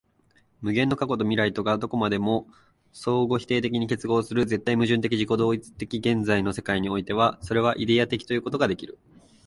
無限の過去と未来とがどこまでも相互否定的に結合する絶対矛盾的自己同一的現在の世界においては、それはイデヤ的ということができる。